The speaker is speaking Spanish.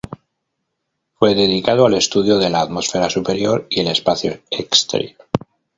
Fue dedicado al estudio de la atmósfera superior y el espacio exterior.